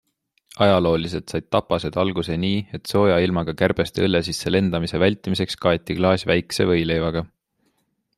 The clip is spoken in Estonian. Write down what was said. Ajalooliselt said tapased alguse nii, et sooja ilmaga kärbeste õlle sisse lendamise vältimiseks kaeti klaas väikse võileivaga.